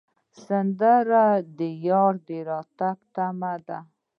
سندره د یار د راتګ تمه ده